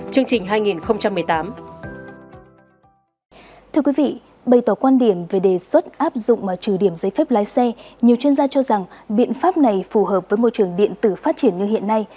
thưa quý vị bày tỏ quan điểm về đề xuất áp dụng trừ điểm giấy phép lái xe nhiều chuyên gia cho rằng biện pháp này phù hợp với môi trường điện tử phát triển như hiện nay